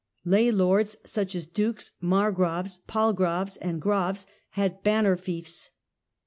Lay lords, such as Dukes, Margraves, Palgraves and Graves had banner fiefs.